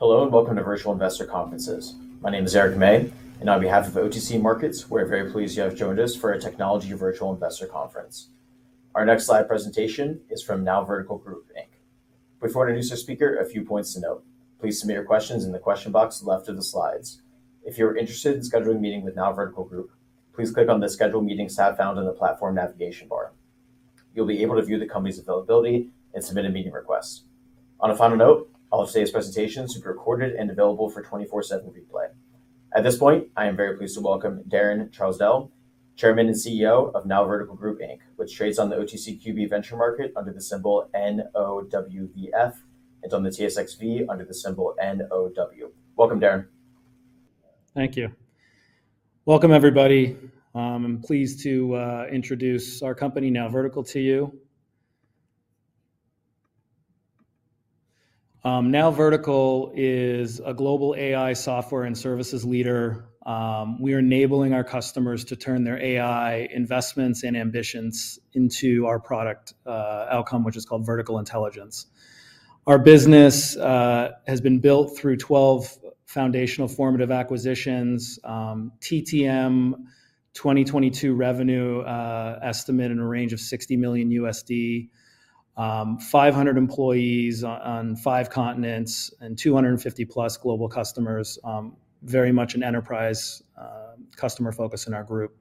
Hello and welcome to Virtual Investor Conferences. My name is Eric May, and on behalf of OTC Markets, we're very pleased you have joined us for our Technology Virtual Investor Conference. Our next live presentation is from NowVertical Group Inc. Before I introduce our speaker, a few points to note. Please submit your questions in the question box left of the slides. If you are interested in scheduling a meeting with NowVertical Group, please click on the Schedule Meeting tab found on the platform navigation bar. You'll be able to view the company's availability and submit a meeting request. On a final note, all of today's presentation should be recorded and available for 24/7 replay. At this point, I am very pleased to welcome Daren Trousdell, Chairman and CEO of NowVertical Group Inc., which trades on the OTCQB Venture Market under the symbol N-O-W-V-F and on the TSXV under the symbol N-O-W. Welcome, Daren. Thank you. Welcome, everybody. I'm pleased to introduce our company, NowVertical, to you. NowVertical is a global AI software and services leader. We are enabling our customers to turn their AI investments and ambitions into our product outcome, which is called Vertical Intelligence. Our business has been built through 12 foundational formative acquisitions, TTM 2022 revenue estimate in a range of $60 million USD, 500 employees on five continents, and 250+ global customers, very much an enterprise customer focus in our group.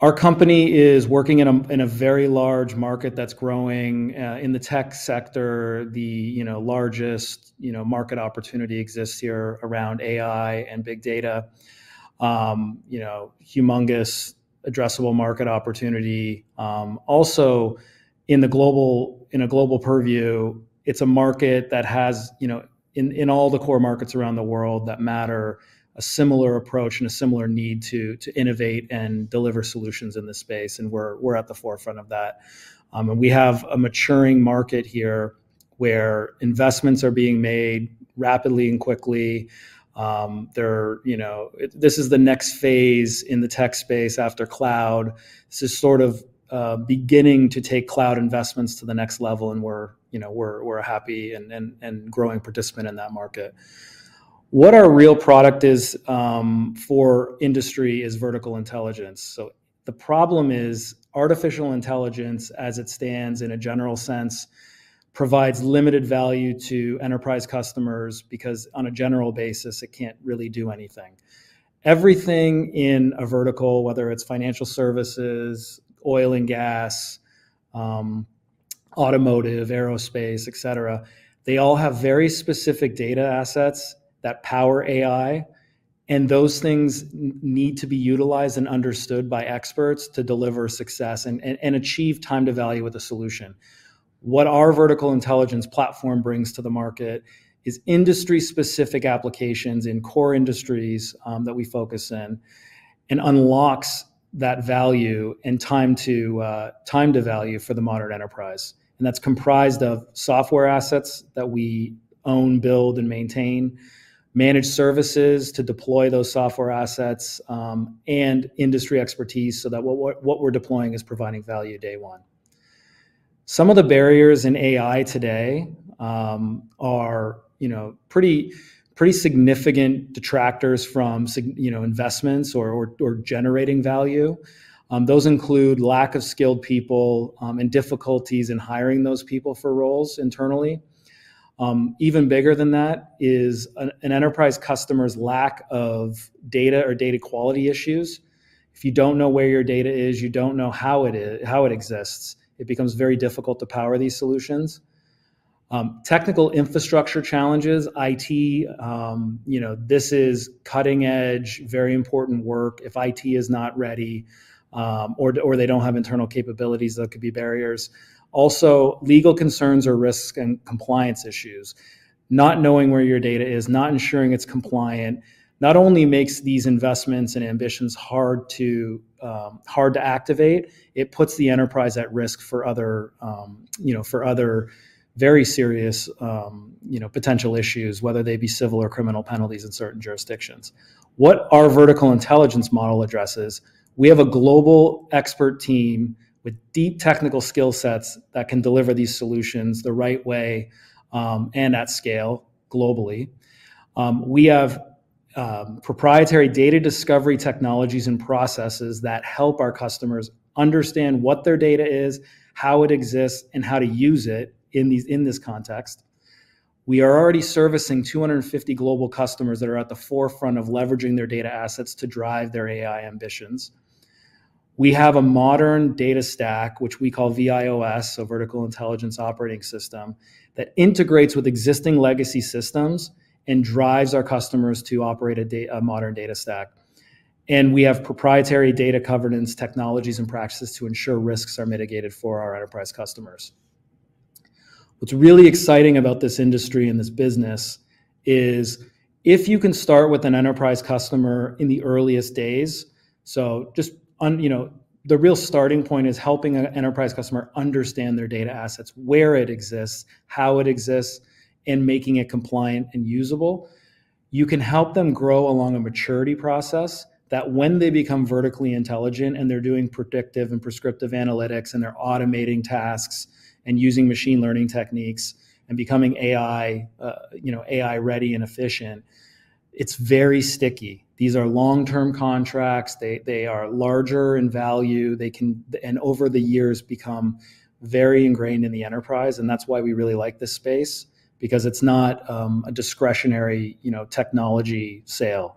Our company is working in a very large market that's growing in the tech sector, largest market opportunity exists here around AI and big data. Humongous addressable market opportunity. Also in a global purview, it's a market that has, you know, in all the core markets around the world that matter, a similar approach and a similar need to innovate and deliver solutions in this space, and we're at the forefront of that. We have a maturing market here where investments are being made rapidly and quickly. You know, this is the next phase in the tech space after cloud. This is sort of beginning to take cloud investments to the next level, and we're, you know, we're a happy and growing participant in that market. What our real product is for industry is Vertical Intelligence. The problem is artificial intelligence, as it stands in a general sense, provides limited value to enterprise customers because on a general basis, it can't really do anything. Everything in a vertical, whether it's financial services, oil and gas, automotive, aerospace, et cetera, they all have very specific data assets that power AI, and those things need to be utilized and understood by experts to deliver success and achieve time to value with a solution. What our Vertical Intelligence platform brings to the market is industry-specific applications in core industries that we focus in and unlocks that value and time to time to value for the modern enterprise. That's comprised of software assets that we own, build, and maintain, managed services to deploy those software assets, and industry expertise so that what we're deploying is providing value day one. Some of the barriers in AI today, you know, are pretty significant detractors from you know, investments or generating value. Those include lack of skilled people and difficulties in hiring those people for roles internally. Even bigger than that is an enterprise customer's lack of data or data quality issues. If you don't know where your data is, you don't know how it exists, it becomes very difficult to power these solutions. Technical infrastructure challenges, IT, you know, this is cutting-edge, very important work. If IT is not ready or they don't have internal capabilities, that could be barriers. Legal concerns or risk and compliance issues. Not knowing where your data is, not ensuring it's compliant, not only makes these investments and ambitions hard to activate, it puts the enterprise at risk for other, you know, for other very serious, you know, potential issues, whether they be civil or criminal penalties in certain jurisdictions. What our Vertical Intelligence model addresses, we have a global expert team with deep technical skill sets that can deliver these solutions the right way, and at scale globally. We have proprietary data discovery technologies and processes that help our customers understand what their data is, how it exists, and how to use it in this context. We are already servicing 250 global customers that are at the forefront of leveraging their data assets to drive their AI ambitions. We have a modern data stack, which we call VIOS, so Vertical Intelligence Operating System, that integrates with existing legacy systems and drives our customers to operate a modern data stack. We have proprietary data governance technologies and practices to ensure risks are mitigated for our enterprise customers. What's really exciting about this industry and this business is if you can start with an enterprise customer in the earliest days, so just you know, the real starting point is helping an enterprise customer understand their data assets, where it exists, how it exists, and making it compliant and usable. You can help them grow along a maturity process that when they become vertically intelligent and they're doing predictive and prescriptive analytics and they're automating tasks and using machine learning techniques and becoming AI, you know, AI ready and efficient, it's very sticky. These are long-term contracts. They are larger in value. They can, and over the years, become very ingrained in the enterprise. That's why we really like this space, because it's not a discretionary, you know, technology sale.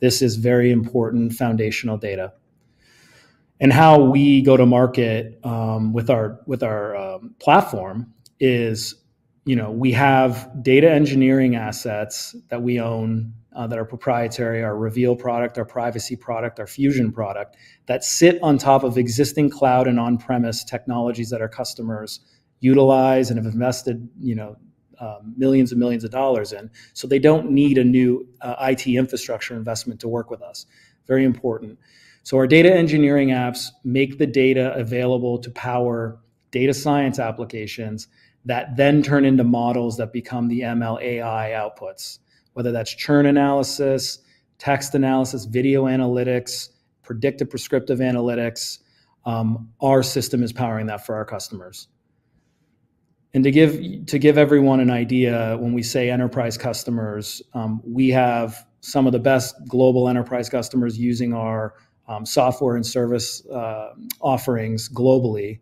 This is very important foundational data. How we go to market with our platform is, you know, we have data engineering assets that we own that are proprietary, our Reveal product, our Privacy product, our Fusion product, that sit on top of existing cloud and on-premise technologies that our customers utilize and have invested, you know, millions and millions of dollars in. They don't need a new IT infrastructure investment to work with us. Very important. Our data engineering apps make the data available to power data science applications that then turn into models that become the ML AI outputs, whether that's churn analysis, text analysis, video analytics, predictive prescriptive analytics. Our system is powering that for our customers. To give everyone an idea, when we say enterprise customers, we have some of the best global enterprise customers using our software and service offerings globally.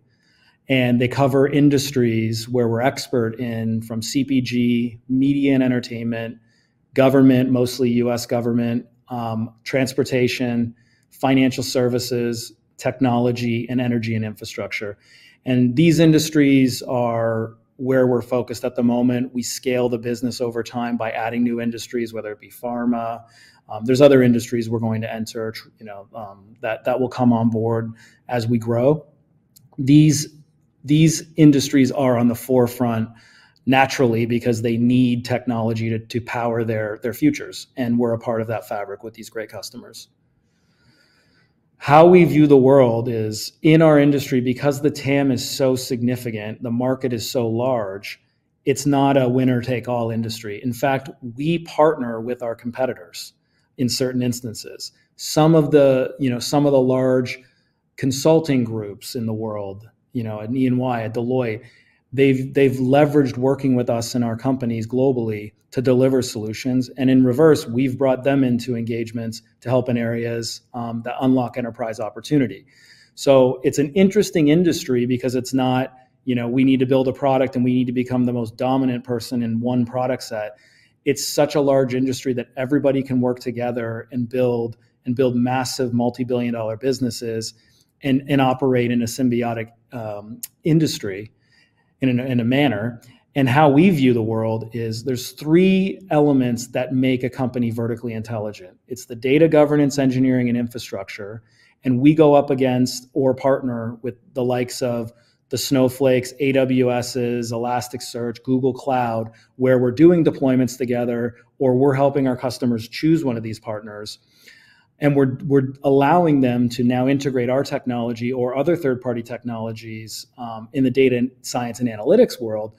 They cover industries where we're expert in from CPG, media and entertainment, government, mostly U.S. government, transportation, financial services, technology, and energy and infrastructure. These industries are where we're focused at the moment. We scale the business over time by adding new industries, whether it be pharma. There's other industries we're going to enter, you know, that will come on board as we grow. These industries are on the forefront naturally because they need technology to power their futures. We're a part of that fabric with these great customers. How we view the world is in our industry, because the TAM is so significant, the market is so large, it's not a winner-take-all industry. In fact, we partner with our competitors in certain instances. Some of the large consulting groups in the world, you know, an EY, a Deloitte, they've leveraged working with us and our companies globally to deliver solutions. In reverse, we've brought them into engagements to help in areas that unlock enterprise opportunity. It's an interesting industry because it's not, you know, we need to build a product and we need to become the most dominant person in one product set. It's such a large industry that everybody can work together and build massive multi-billion dollar businesses and operate in a symbiotic industry in a manner. How we view the world is there's three elements that make a company vertically intelligent. It's the data governance engineering and infrastructure. We go up against or partner with the likes of the Snowflake, AWS, Elasticsearch, Google Cloud, where we're doing deployments together or we're helping our customers choose one of these partners. We're allowing them to now integrate our technology or other third-party technologies in the data science and analytics world,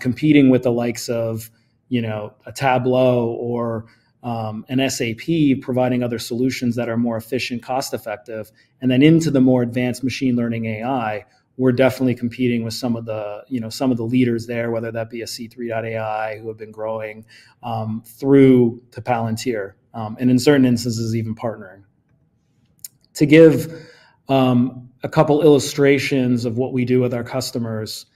competing with the likes of, you know, a Tableau or an SAP providing other solutions that are more efficient, cost-effective. Then into the more advanced machine learning AI, we're definitely competing with some of the, you know, some of the leaders there, whether that be a C3.ai who have been growing through to Palantir and in certain instances even partnering. To give a couple illustrations of what we do with our customers,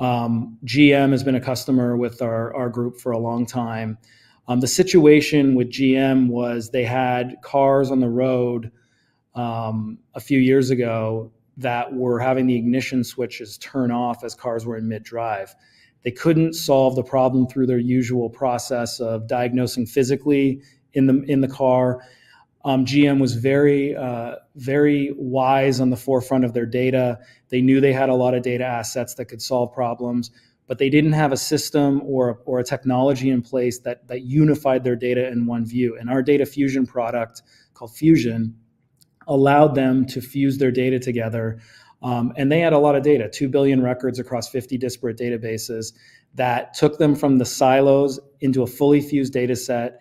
GM has been a customer with our group for a long time. The situation with GM was they had cars on the road a few years ago that were having the ignition switches turn off as cars were in mid-drive. They couldn't solve the problem through their usual process of diagnosing physically in the car. GM was very wise on the forefront of their data. They knew they had a lot of data assets that could solve problems, but they didn't have a system or a technology in place that unified their data in one view. Our data fusion product called Fusion allowed them to fuse their data together. They had a lot of data, 2 billion records across 50 disparate databases that took them from the silos into a fully fused data set,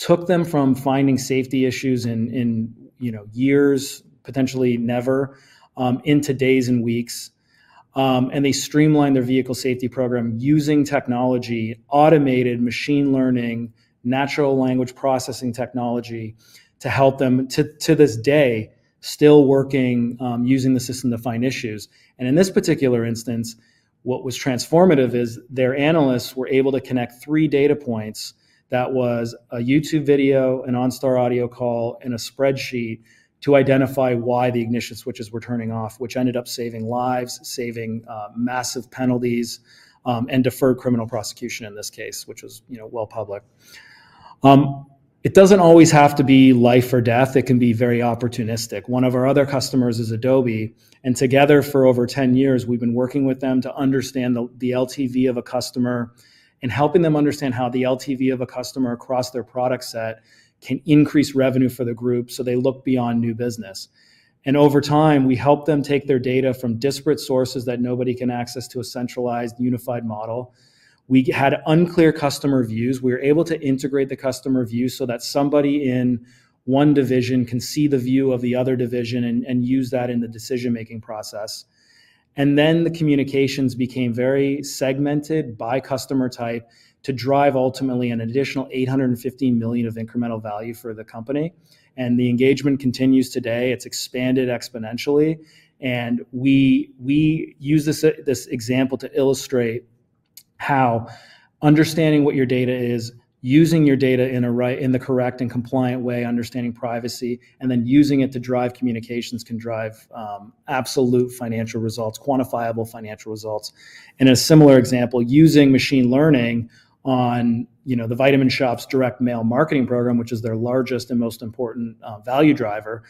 took them from finding safety issues in, you know, years, potentially never, into days and weeks. They streamlined their vehicle safety program using technology, automated machine learning, natural language processing technology to help them to this day still working using the system to find issues. In this particular instance, what was transformative is their analysts were able to connect three data points that was a YouTube video, an OnStar audio call, and a spreadsheet to identify why the ignition switches were turning off, which ended up saving lives, saving massive penalties, and deferred criminal prosecution in this case, which was, you know, well public. It doesn't always have to be life or death. It can be very opportunistic. One of our other customers is Adobe. Together for over 10 years, we've been working with them to understand the LTV of a customer and helping them understand how the LTV of a customer across their product set can increase revenue for the group so they look beyond new business. Over time, we helped them take their data from disparate sources that nobody can access to a centralized, unified model. We had unclear customer views. We were able to integrate the customer view so that somebody in one division can see the view of the other division and use that in the decision-making process. Then the communications became very segmented by customer type to drive ultimately an additional $815 million of incremental value for the company. The engagement continues today. It's expanded exponentially. We use this example to illustrate how understanding what your data is, using your data in the correct and compliant way, understanding privacy, and then using it to drive communications can drive absolute financial results, quantifiable financial results. In a similar example, using machine learning on, you know, The Vitamin Shoppe's direct mail marketing program, which is their largest and most important value driver,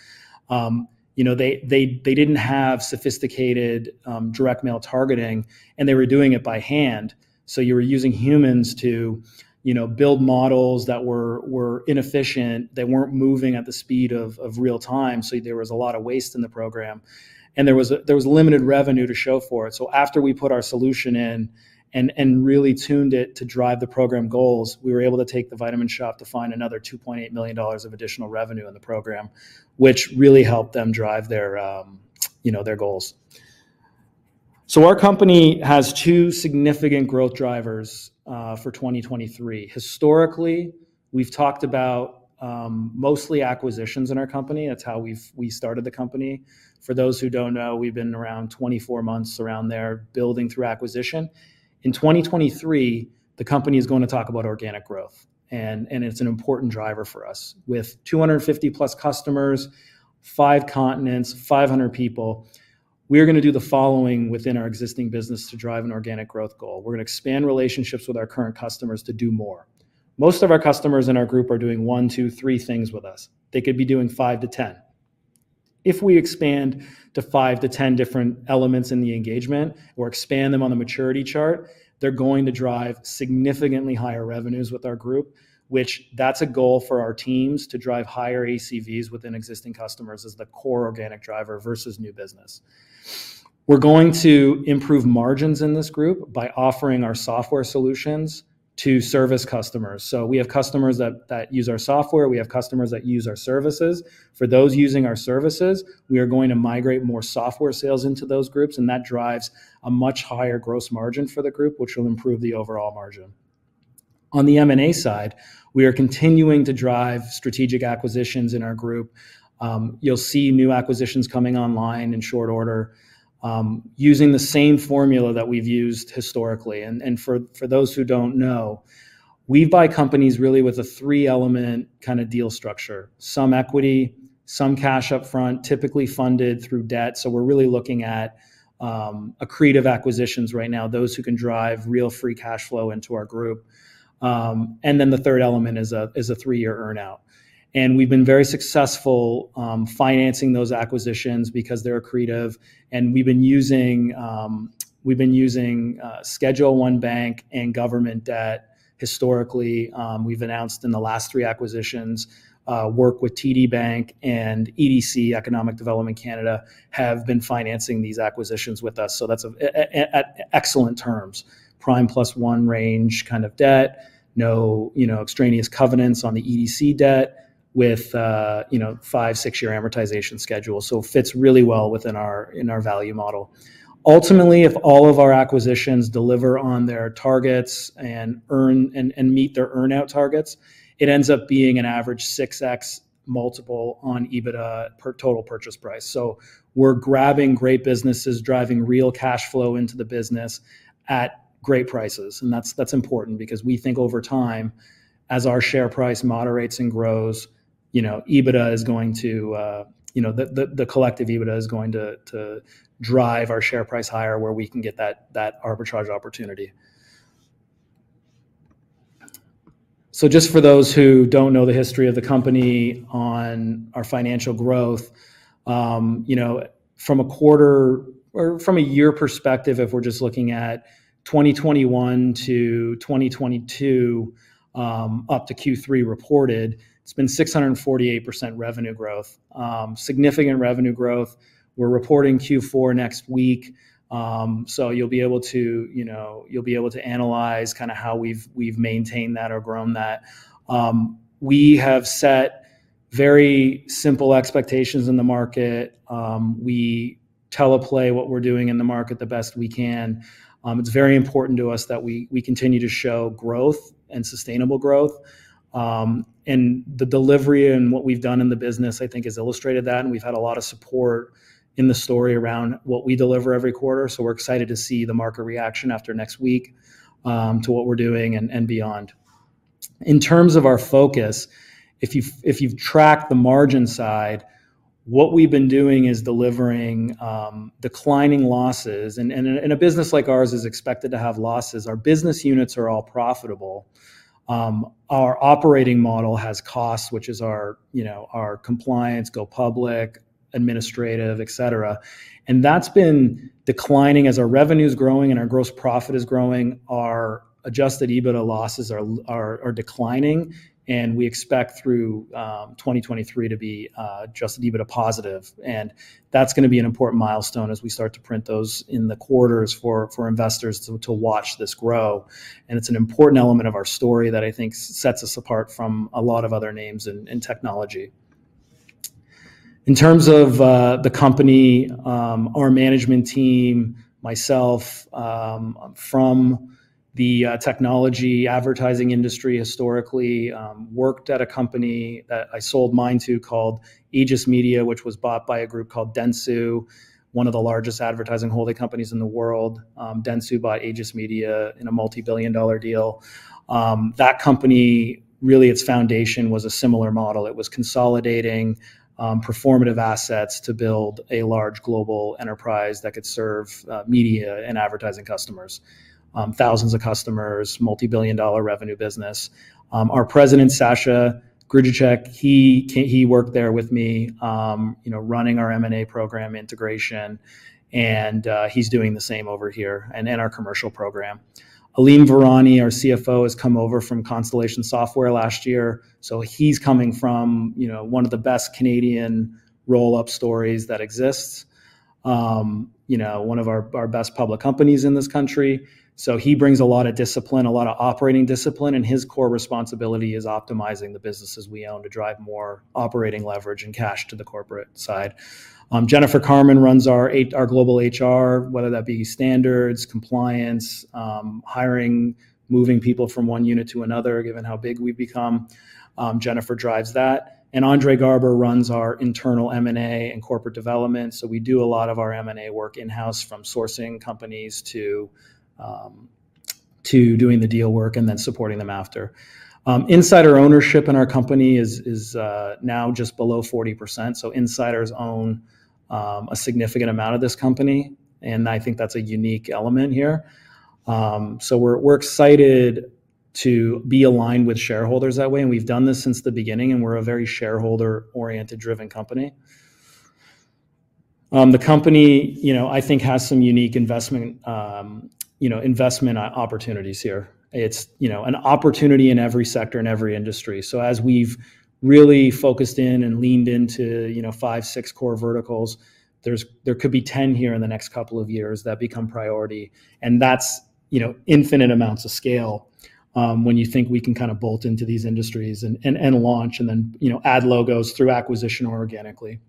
you know, they didn't have sophisticated direct mail targeting, and they were doing it by hand. You were using humans to, you know, build models that were inefficient. They weren't moving at the speed of real-time. There was a lot of waste in the program. There was limited revenue to show for it. After we put our solution in and really tuned it to drive the program goals, we were able to take The Vitamin Shoppe to find another $2.8 million of additional revenue in the program, which really helped them drive their, you know, their goals. Our company has two significant growth drivers for 2023. Historically, we've talked about mostly acquisitions in our company. That's how we started the company. For those who don't know, we've been around 24 months, around there, building through acquisition. In 2023, the company is going to talk about organic growth, and it's an important driver for us. With 250+ customers, five continents, 500 people, we are gonna do the following within our existing business to drive an organic growth goal. We're gonna expand relationships with our current customers to do more. Most of our customers in our group are doing one, two, three things with us. They could be doing five to 10. If we expand to five to 10 different elements in the engagement or expand them on the maturity chart, they're going to drive significantly higher revenues with our group, which that's a goal for our teams to drive higher ACVs within existing customers as the core organic driver versus new business. We're going to improve margins in this group by offering our software solutions to service customers. We have customers that use our software. We have customers that use our services. For those using our services, we are going to migrate more software sales into those groups, and that drives a much higher gross margin for the group, which will improve the overall margin. On the M&A side, we are continuing to drive strategic acquisitions in our group. You'll see new acquisitions coming online in short order, using the same formula that we've used historically. For those who don't know, we buy companies really with a three-element kind of deal structure, some equity, some cash up front, typically funded through debt. We're really looking at accretive acquisitions right now, those who can drive real free cash flow into our group. The third element is a three-year earn-out. We've been very successful financing those acquisitions because they're accretive, and we've been using Schedule I bank and government debt historically. We've announced in the last three acquisitions, work with TD Bank and EDC, Export Development Canada, have been financing these acquisitions with us, that's at excellent terms, prime +1 range kind of debt, no extraneous covenants on the EDC debt with five, six-year amortization schedule. It fits really well within our, in our value model. Ultimately, if all of our acquisitions deliver on their targets and earn and meet their earn-out targets, it ends up being an average 6x multiple on EBITDA per total purchase price. We're grabbing great businesses, driving real cash flow into the business at great prices, and that's important because we think over time, as our share price moderates and grows, you know, EBITDA is going to, you know, the Collective EBITDA is going to drive our share price higher where we can get that arbitrage opportunity. Just for those who don't know the history of the company on our financial growth, you know, from a quarter or from a year perspective, if we're just looking at 2021 to 2022, up to Q3 reported, it's been 648% revenue growth, significant revenue growth. We're reporting Q4 next week, so you'll be able to, you know, you'll be able to analyze kind of how we've maintained that or grown that. We have set very simple expectations in the market. We telegraph what we're doing in the market the best we can. It's very important to us that we continue to show growth and sustainable growth. The delivery and what we've done in the business, I think, has illustrated that, and we've had a lot of support in the story around what we deliver every quarter. We're excited to see the market reaction after next week to what we're doing and beyond. In terms of our focus, if you've tracked the margin side. What we've been doing is delivering declining losses and in a business like ours is expected to have losses. Our business units are all profitable. Our operating model has costs, which is our, you know, our compliance, go public, administrative, et cetera, and that's been declining. As our revenue's growing and our gross profit is growing, our Adjusted EBITDA losses are declining, and we expect through 2023 to be Adjusted EBITDA positive. That's gonna be an important milestone as we start to print those in the quarters for investors to watch this grow. It's an important element of our story that I think sets us apart from a lot of other names in technology. In terms of the company, our management team, myself, I'm from the technology advertising industry historically, worked at a company that I sold mine to called Aegis Media, which was bought by a group called Dentsu, one of the largest advertising holding companies in the world. Dentsu bought Aegis Media in a multi-billion deal. That company, really its foundation was a similar model. It was consolidating performative assets to build a large global enterprise that could serve media and advertising customers, thousands of customers, $multi-billion revenue business. Our President, Sasha Grujicic, he worked there with me, you know, running our M&A program integration and he's doing the same over here and in our commercial program. Alim Virani, our CFO, has come over from Constellation Software last year, so he's coming from, you know, one of the best Canadian roll-up stories that exists, you know, one of our best public companies in this country. He brings a lot of discipline, a lot of operating discipline, and his core responsibility is optimizing the businesses we own to drive more operating leverage and cash to the corporate side. Jennifer Carman runs our global HR, whether that be standards, compliance, hiring, moving people from one unit to another, given how big we've become, Jennifer drives that. Andre Garber runs our internal M&A and corporate development, so we do a lot of our M&A work in-house, from sourcing companies to doing the deal work and then supporting them after. Insider ownership in our company is now just below 40%, so insiders own a significant amount of this company, and I think that's a unique element here. We're excited to be aligned with shareholders that way, and we've done this since the beginning, and we're a very shareholder-oriented driven company. The company, you know, I think has some unique investment, you know, investment opportunities here. It's, you know, an opportunity in every sector and every industry. As we've really focused in and leaned into, you know, five, six core verticals, there could be 10 here in the next couple of years that become priority, and that's, you know, infinite amounts of scale, when you think we can kind of bolt into these industries and launch and then, you know, add logos through acquisition organically.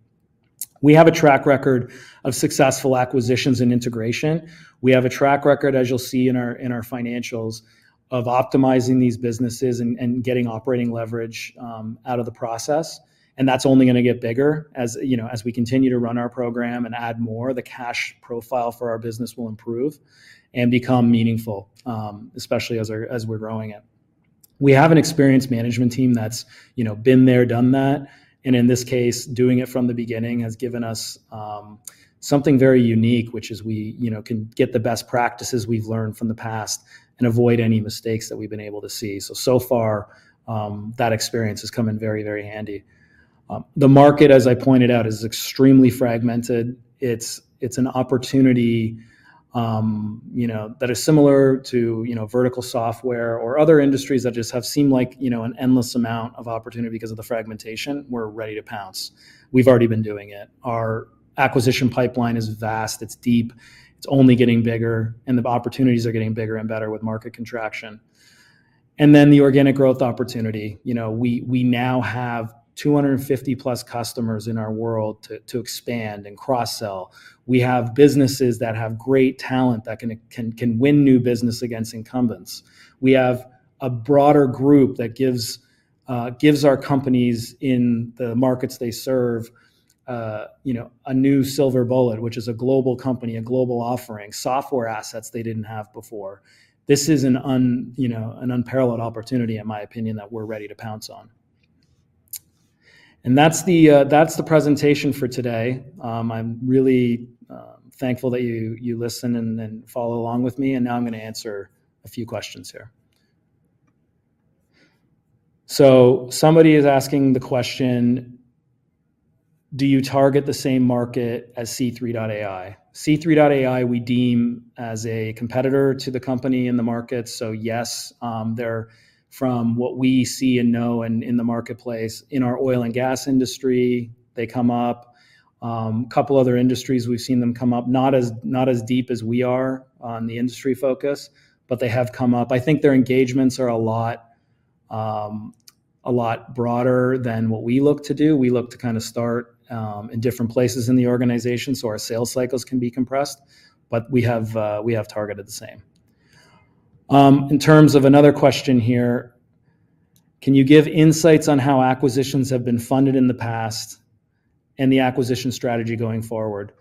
We have a track record of successful acquisitions and integration. We have a track record, as you'll see in our, in our financials, of optimizing these businesses and getting operating leverage out of the process, and that's only gonna get bigger. As, you know, as we continue to run our program and add more, the cash profile for our business will improve and become meaningful, especially as we're, as we're growing it. We have an experienced management team that's, you know, been there, done that, and in this case, doing it from the beginning has given us something very unique, which is we, you know, can get the best practices we've learned from the past and avoid any mistakes that we've been able to see. So far, that experience has come in very, very handy. The market, as I pointed out, is extremely fragmented. It's an opportunity, you know, that is similar to, you know, vertical software or other industries that just have seemed like, you know, an endless amount of opportunity because of the fragmentation. We're ready to pounce. We've already been doing it. Our acquisition pipeline is vast. It's deep. It's only getting bigger, and the opportunities are getting bigger and better with market contraction. The organic growth opportunity. You know, we now have 250+ customers in our world to expand and cross-sell. We have businesses that have great talent that can win new business against incumbents. We have a broader group that gives our companies in the markets they serve, you know, a new silver bullet, which is a global company, a global offering, software assets they didn't have before. This is you know, an unparalleled opportunity, in my opinion, that we're ready to pounce on. That's the, that's the presentation for today. I'm really, thankful that you listen and follow along with me, and now I'm gonna answer a few questions here. Somebody is asking the question: Do you target the same market as C3.ai? C3.ai we deem as a competitor to the company in the market. Yes, they're from what we see and know in the marketplace. In our oil and gas industry, they come up. Couple other industries we've seen them come up, not as deep as we are on the industry focus, but they have come up. I think their engagements are a lot broader than what we look to do. We look to kind of start in different places in the organization, so our sales cycles can be compressed, but we have targeted the same. In terms of another question here: Can you give insights on how acquisitions have been funded in the past and the acquisition strategy going forward?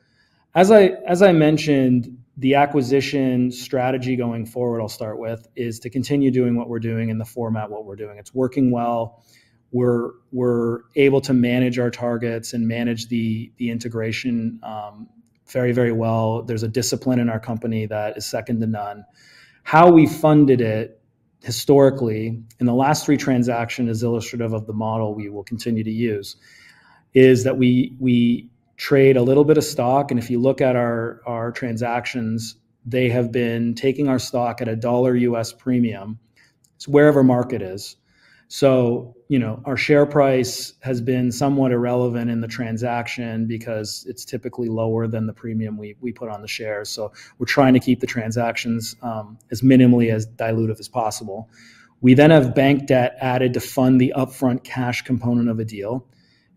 As I mentioned, the acquisition strategy going forward, I'll start with, is to continue doing what we're doing and the format what we're doing. It's working well. We're able to manage our targets and manage the integration very well. There's a discipline in our company that is second to none. How we funded it historically, in the last three transaction is illustrative of the model we will continue to use, is that we trade a little bit of stock, and if you look at our transactions, they have been taking our stock at a $1 premium. It's wherever market is. You know, our share price has been somewhat irrelevant in the transaction because it's typically lower than the premium we put on the shares. So we're trying to keep the transactions as minimally as dilutive as possible. We then have bank debt added to fund the upfront cash component of a deal.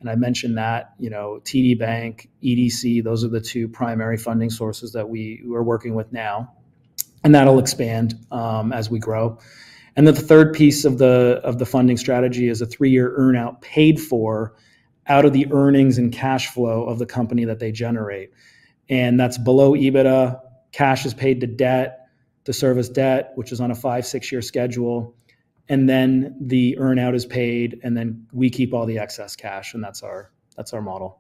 I mentioned that, you know, TD Bank, EDC, those are the two primary funding sources that we're working with now, and that'll expand as we grow. The third piece of the, of the funding strategy is a three-year earn-out paid for out of the earnings and cash flow of the company that they generate. That's below EBITDA. Cash is paid to debt to service debt, which is on a five, six-year schedule, and then the earn out is paid, and then we keep all the excess cash, and that's our, that's our model.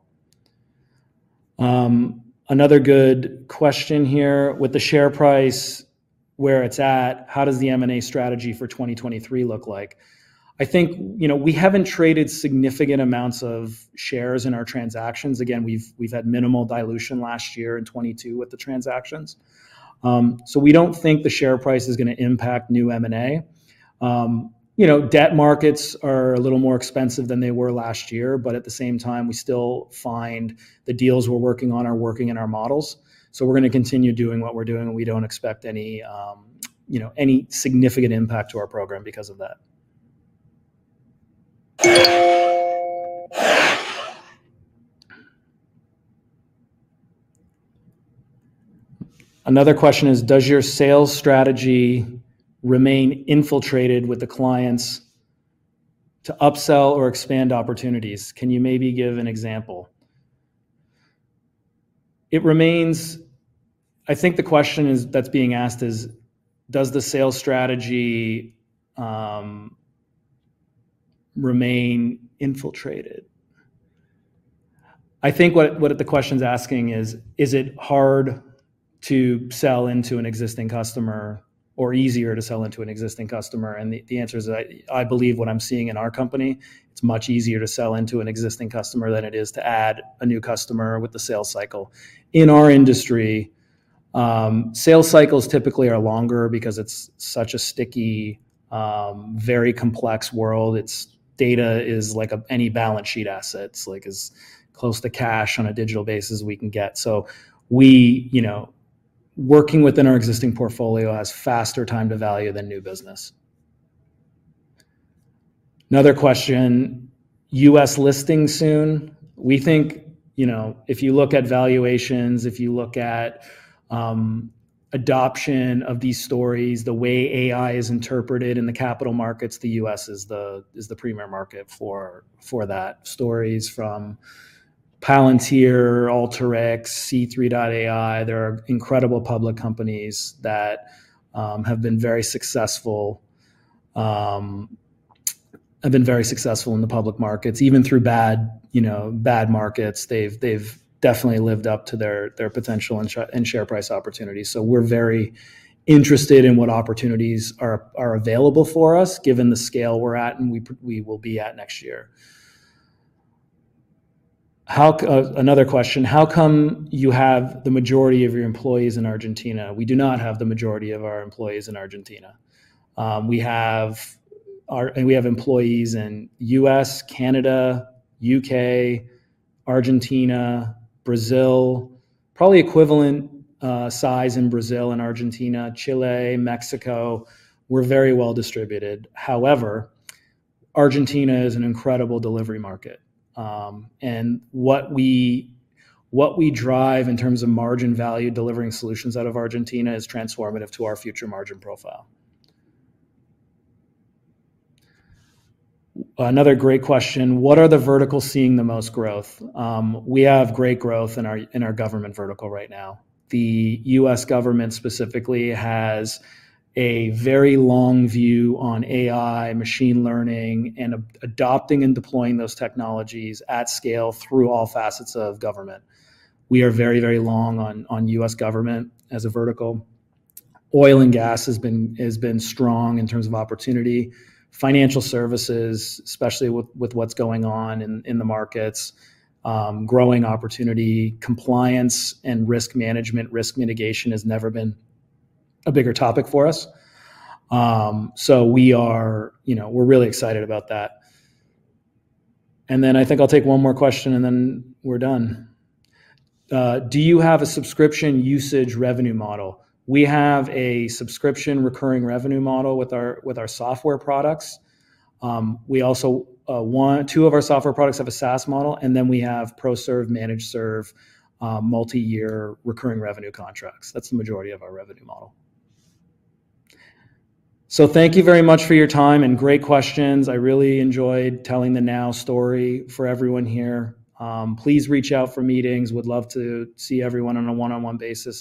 Another good question here: With the share price where it's at, how does the M&A strategy for 2023 look like? We haven't traded significant amounts of shares in our transactions. We've had minimal dilution last year in 2022 with the transactions. We don't think the share price is gonna impact new M&A. Debt markets are a little more expensive than they were last year. At the same time, we still find the deals we're working on are working in our models. We're gonna continue doing what we're doing, and we don't expect any, you know, any significant impact to our program because of that. Another question is, does your sales strategy remain infiltrated with the clients to upsell or expand opportunities? Can you maybe give an example? I think the question is that's being asked is, does the sales strategy, remain infiltrated? I think what the question's asking is it hard to sell into an existing customer or easier to sell into an existing customer? The answer is I believe what I'm seeing in our company, it's much easier to sell into an existing customer than it is to add a new customer with the sales cycle. In our industry, sales cycles typically are longer because it's such a sticky, very complex world. Its data is like any balance sheet assets, like, as close to cash on a digital base as we can get. Working within our existing portfolio has faster time to value than new business. Another question, U.S. listing soon? We think, you know, if you look at valuations, if you look at, adoption of these stories, the way AI is interpreted in the capital markets, the U.S. is the, is the premier market for that. Stories from Palantir, Alteryx, C3.ai, they're incredible public companies that have been very successful in the public markets. Even through bad, you know, bad markets, they've definitely lived up to their potential and share price opportunities. We're very interested in what opportunities are available for us given the scale we're at and we will be at next year. How, another question: how come you have the majority of your employees in Argentina? We do not have the majority of our employees in Argentina. We have employees in U.S., Canada, U.K., Argentina, Brazil, probably equivalent size in Brazil and Argentina, Chile, Mexico. We're very well distributed. However, Argentina is an incredible delivery market, and what we drive in terms of margin value delivering solutions out of Argentina is transformative to our future margin profile. Another great question: What are the verticals seeing the most growth? We have great growth in our government vertical right now. The U.S. government specifically has a very long view on AI, machine learning, and adopting and deploying those technologies at scale through all facets of government. We are very long on U.S. government as a vertical. Oil and gas has been strong in terms of opportunity. Financial services, especially with what's going on in the markets, growing opportunity. Compliance and risk management, risk mitigation has never been a bigger topic for us. We are, you know, we're really excited about that. I think I'll take one more question, and then we're done. Do you have a subscription usage revenue model? We have a subscription recurring revenue model with our, with our software products. We also, two of our software products have a SaaS model, and then we have pro serve, managed serve, multi-year recurring revenue contracts. That's the majority of our revenue model. Thank you very much for your time and great questions. I really enjoyed telling the Now story for everyone here. Please reach out for meetings. Would love to see everyone on a one-on-one basis.